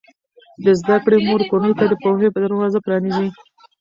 د زده کړې مور کورنۍ ته د پوهې دروازه پرانیزي.